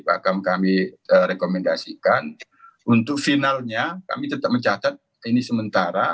akan kami rekomendasikan untuk finalnya kami tetap mencatat ini sementara